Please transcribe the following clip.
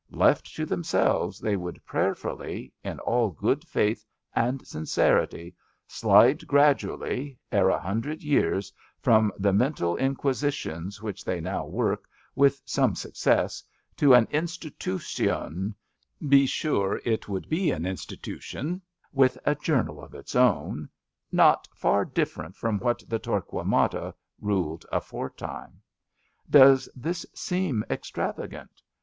Left to themselves they would prayerfully, in all good faith and sincerity, slide gradually, ere a hundred years, from the mental inquisitions which they now work with some success to an institootion — be sure it would be an institootion '* with a journal of its own — ^not far different from what the Torquemada ruled aforetime. Does this mean extravagant?